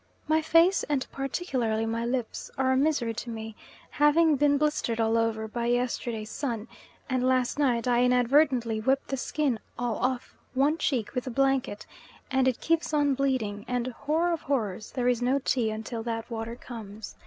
My face and particularly my lips are a misery to me, having been blistered all over by yesterday's sun, and last night I inadvertently whipped the skin all off one cheek with the blanket, and it keeps on bleeding, and, horror of horrors, there is no tea until that water comes.